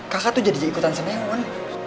kakak tuh jadi ikutan seniman